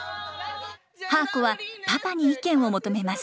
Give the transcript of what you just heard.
はーこはパパに意見を求めます。